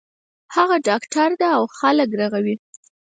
هغه ډاکټر ده او خلک رغوی